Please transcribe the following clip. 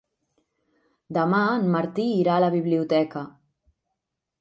Demà en Martí irà a la biblioteca.